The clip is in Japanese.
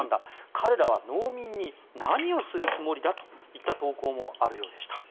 彼らは農民に何をするつもりだといった投稿もあるようでした。